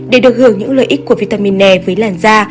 để được hưởng những lợi ích của vitamin nè với làn da